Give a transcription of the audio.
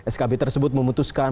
skb tersebut memutuskan perubahan